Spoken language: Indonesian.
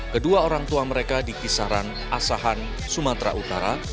kedua orang tua mereka di kisaran asahan sumatera utara